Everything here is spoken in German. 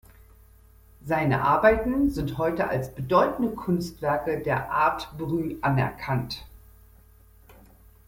Seine Arbeiten sind heute als bedeutende Kunstwerke der Art brut anerkannt.